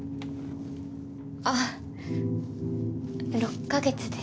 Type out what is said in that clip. あっ６カ月です